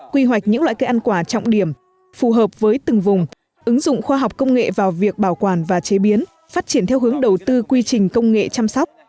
quy hoạch những loại cây ăn quả trọng điểm phù hợp với từng vùng ứng dụng khoa học công nghệ vào việc bảo quản và chế biến phát triển theo hướng đầu tư quy trình công nghệ chăm sóc